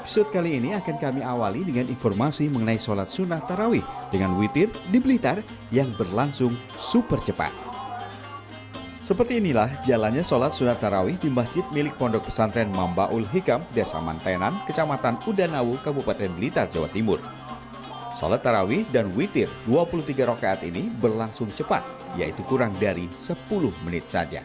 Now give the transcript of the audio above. selamat pagi selamat pagi selamat pagi selamat pagi